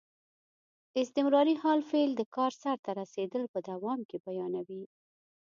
استمراري حال فعل د کار سرته رسېدل په دوام کې بیانیوي.